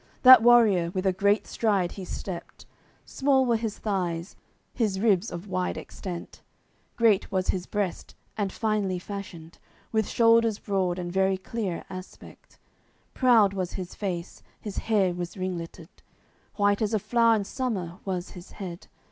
That warrior, with a great stride he stepped, Small were his thighs, his ribs of wide extent, Great was his breast, and finely fashioned, With shoulders broad and very clear aspect; Proud was his face, his hair was ringleted, White as a flow'r in summer was his head.